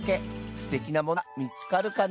すてきなものが見つかるかな？